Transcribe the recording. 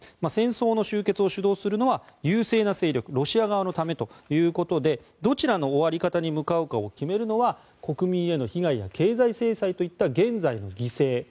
戦争の終結を主導するのは優勢勢力ロシア側のためということでどちらの終わり方に向かうかを決めるのは国民への被害経済制裁といった現在の犠牲。